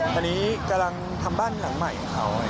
ตอนนี้กำลังทำบ้านหลังใหม่ของเขา